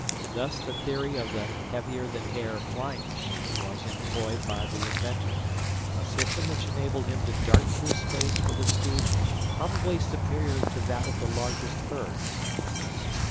Thus the theory of the "heavier than air" flying machine was employed by the inventor, a system which enabled him to dart through space with a speed probably superior to that of the largest birds.